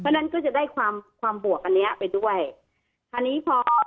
เพราะฉะนั้นก็จะได้ความความบวกอันเนี้ยไปด้วยคราวนี้พอ